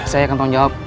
saya akan tanggung jawab